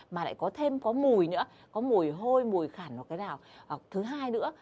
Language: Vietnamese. mà lại có thêm có mùi nữa có mùi hôi mùi khẳng hoặc thứ hai nữa